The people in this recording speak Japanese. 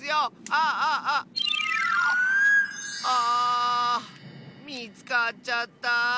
あみつかっちゃった！